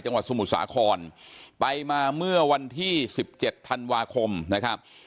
จังหวัดสมุสาครไปมาเมื่อวันที่๑๗ธันวาคมนะครับ